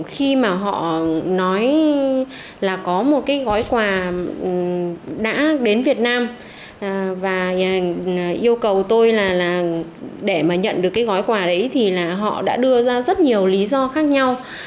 khi mà họ nói là có một cái gói quà đã đến việt nam và yêu cầu tôi là để mà nhận được cái gói quà đấy thì là họ đã đưa ra rất nhiều lý do khác nhau